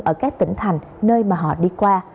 ở các tỉnh thành nơi mà họ đi qua